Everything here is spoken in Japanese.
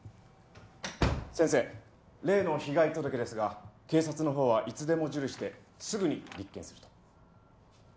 先生例の被害届ですが警察のほうはいつでも受理してすぐに立件すると。